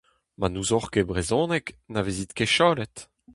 Ma n'ouzoc'h ket brezhoneg, na vezit ket chalet.